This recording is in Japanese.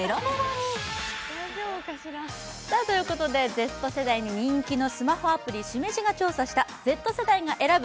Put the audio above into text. Ｚ世代に人気のスマホアプリＳｉｍｅｊｉが選んだＺ世代が選ぶ！